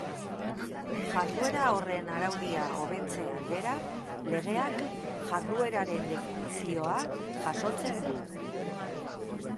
Jarduera horren araudia hobetze aldera, legeak jardueraren definizioa jasotzen du.